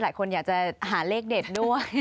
หลายคนอยากจะหาเลขเด็ดด้วย